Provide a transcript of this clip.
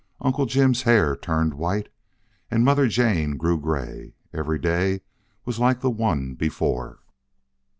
Uncle Jim's hair turned white and Mother Jane grew gray. Every day was like the one before.